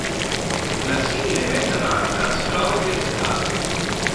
Una simile mezza banda si trova in verticale.